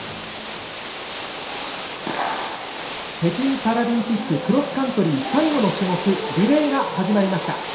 北京パラリンピッククロスカントリー最後の種目リレーが始まりました。